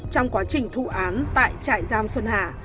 trong quá trình thụ án tại trại giam xuân hà